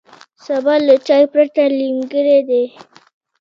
سبا له چای پرته نیمګړی دی.